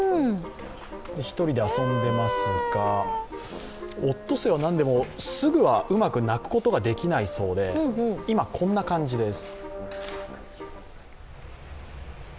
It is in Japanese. １人で遊んでますが、オットセイはなんでもすぐはうまく鳴くことができないそうで、今、こんな感じです。